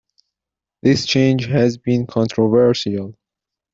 This change has been controversial.